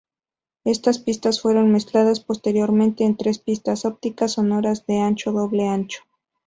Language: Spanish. Estas pistas fueron mezcladas posteriormente en tres pistas ópticas sonoras de ancho doble ancho.